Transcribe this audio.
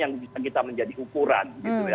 yang bisa kita menjadi ukuran